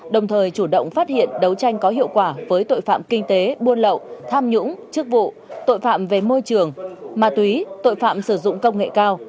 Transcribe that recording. đồng thời chủ động phát hiện đấu tranh có hiệu quả với tội phạm kinh tế buôn lậu tham nhũng chức vụ tội phạm về môi trường ma túy tội phạm sử dụng công nghệ cao